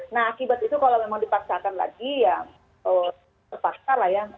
nah akibat itu kalau memang dipaksakan lagi ya terpaksa lah ya